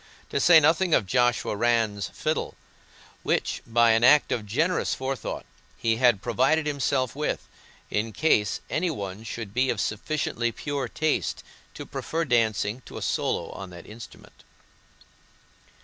To say nothing of Joshua Rann's fiddle, which, by an act of generous forethought, he had provided himself with, in case any one should be of sufficiently pure taste to prefer dancing to a solo on that instrument.